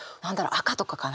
赤とかかな？